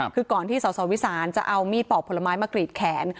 คือก่อนที่สสวิสานจะเอามีดปอกผลไม้มากรีดแขน